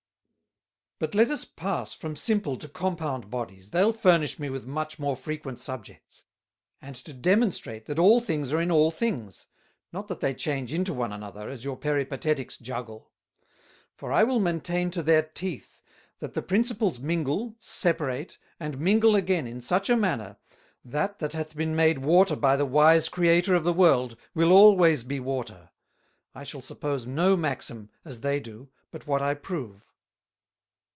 "But let us pass from simple to compound Bodies, they'll furnish me with much more frequent Subjects; and to demonstrate that all things are in all things, not that they change into one another, as your Peripateticks Juggle: for I will maintain to their Teeth, that the Principles mingle, separate, and mingle again in such a manner, that that hath been made Water by the Wise Creator of the World, will always be Water; I shall suppose no Maxime, as they do, but what I prove.